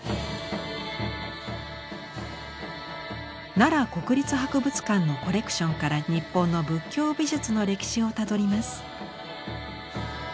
奈良国立博物館のコレクションから日本の仏教美術の歴史をたどります。